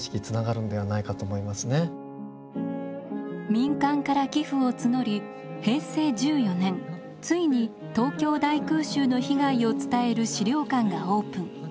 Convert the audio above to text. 民間から寄付を募り平成１４年ついに東京大空襲の被害を伝える資料館がオープン。